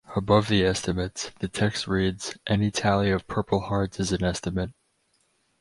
Above the estimates, the text reads, Any tally of Purple Hearts is an estimate.